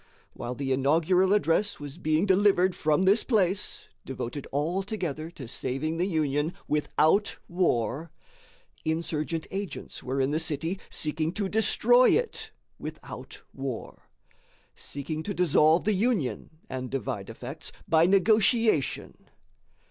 While the inaugural address was being delivered from this place, devoted altogether to saving the Union without war, insurgent agents were in the city seeking to destroy it without war seeking to dissolve the Union, and divide effects, by negotiation.